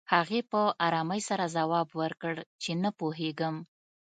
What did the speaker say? هغې په ارامۍ سره ځواب ورکړ چې نه پوهېږم